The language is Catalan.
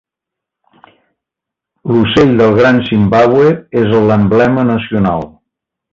L'Ocell del Gran Zimbàbue és l'emblema nacional.